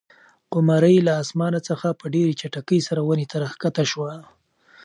قمرۍ له اسمانه څخه په ډېرې چټکۍ سره ونې ته راښکته شوه.